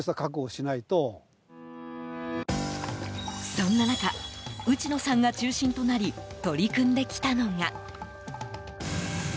そんな中、内野さんが中心となり取り組んできたのが。